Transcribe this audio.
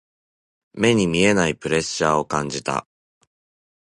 目に見えないプレッシャーを感じた。